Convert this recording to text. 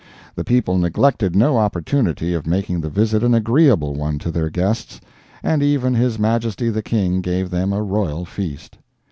The people neglected no opportunity of making the visit an agreeable one to their guests, and even his Majesty the King gave them a royal feast.